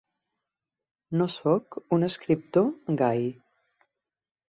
No soc un escriptor gai.